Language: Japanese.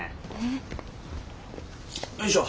よいしょ。